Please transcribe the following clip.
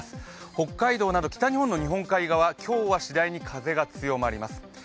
北海道など北日本の日本海側、今日はしだいに風が強まります。